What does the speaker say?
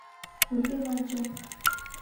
Пуртен ончо.